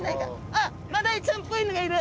あっマダイちゃんぽいのがいる。